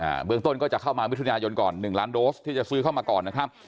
เบื้องต้นก็จะเข้ามามิถุนายนก่อนหนึ่งล้านโดสที่จะซื้อเข้ามาก่อนนะครับ